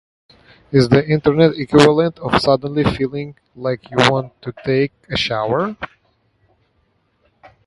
It's the Internet equivalent of suddenly feeling like you want to take a shower.